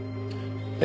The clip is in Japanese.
ええ。